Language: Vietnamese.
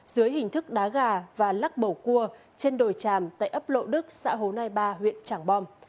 dưới hình thức đá gà và lắc bầu cua trên đồi tràm tại ấp lộ đức xã hồ nai ba huyện trảng bom